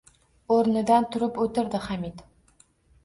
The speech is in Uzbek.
O‘rnidan turib o‘tirdi Hamid